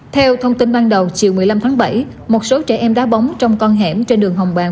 theo thông tin ban đầu chiều một mươi năm tháng bảy một số trẻ em đá bóng trong con hẻm trên đường hồng bàng